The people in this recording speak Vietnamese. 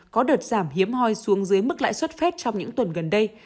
có đợt giảm hiếm hoi xuống dưới mức lãi suất phép trong những tuần gần đây